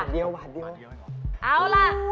หวานเดียว